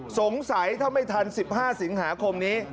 สงสัยถ้าไม่ทัน๑๕สิงหาคมนี้